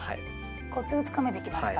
コツがつかめてきました。